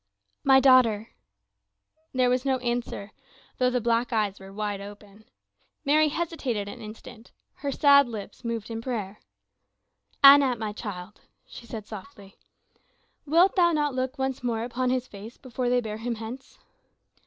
"My daughter." There was no answer, though the black eyes were wide open. Mary hesitated an instant, her sad lips moved in prayer. "Anat, my child," she said, softly. "Wilt thou not look once more upon his face before they bear him hence.